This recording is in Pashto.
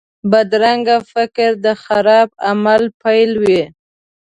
بدرنګه فکر د خراب عمل پیل وي